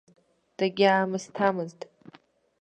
Дагьаамысҭамызт.